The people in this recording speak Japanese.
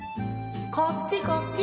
・こっちこっち！